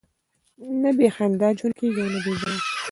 نه بې خندا ژوند کېږي، نه بې ژړا.